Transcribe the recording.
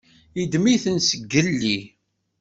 Yeddem-itent zgelli.